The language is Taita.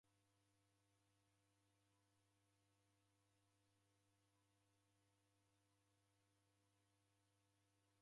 Machi ghaw'evara irikonyi.